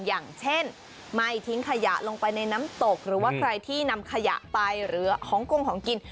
อย่างเช่นไม่ทิ้งขยะลงไปในน้ำตกหรือว่าใครที่นำขยะไปหรือของกงของกิน